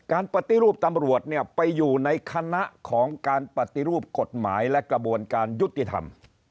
ปฏิรูปตำรวจเนี่ยไปอยู่ในคณะของการปฏิรูปกฎหมายและกระบวนการยุติธรรม